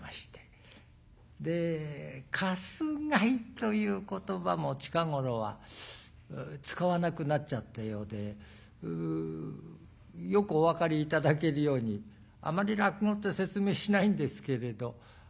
「鎹」という言葉も近頃は使わなくなっちゃったようでよくお分かり頂けるようにあまり落語って説明しないんですけれど。